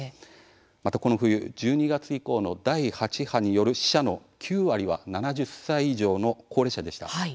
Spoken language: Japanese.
またこの冬、１２月以降の第８波による死者の９割は７０歳以上の高齢者でした。